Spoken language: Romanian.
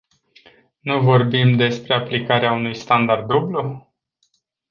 Nu vorbim despre aplicarea unui standard dublu?